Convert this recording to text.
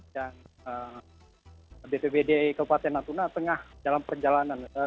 dan bpbd keputusan latuna tengah dalam perjalanan